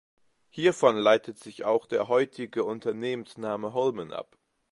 Hiervon leitet sich auch der heutige Unternehmensname Holmen ab.